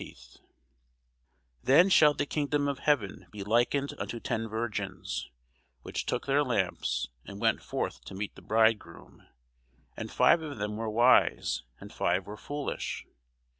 [Sidenote: St. Matthew 25] Then shall the kingdom of heaven be likened unto ten virgins, which took their lamps, and went forth to meet the bridegroom. And five of them were wise, and five were foolish.